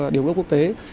điều bước quốc tế